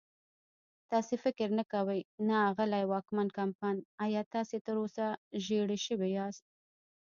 تاسې فکر نه کوئ؟ نه، اغلې وان کمپن، ایا تاسې تراوسه ژېړی شوي یاست؟